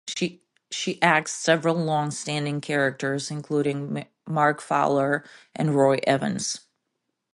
She axed several long standing characters including Mark Fowler and Roy Evans.